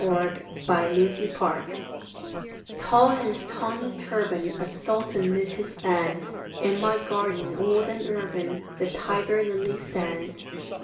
THE TIGER LILY Tall in his tawny turban, A sultan 'mid his bands, In my garden, old and urban, The tiger lily stands.